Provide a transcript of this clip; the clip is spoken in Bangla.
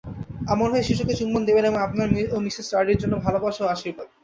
আমার হয়ে শিশুকে চুম্বন দেবেন এবং আপনার ও মিসেস স্টার্ডির জন্য ভালবাসা ও আশীর্বাদ।